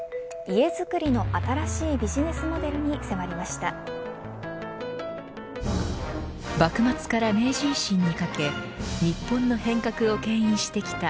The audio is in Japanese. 家づくりの新しいビジネスモデルに迫りました。